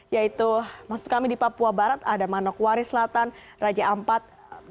yaitu di papua barat ada manokwari selatan raja ampat